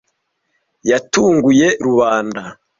Yatunguye rubanda.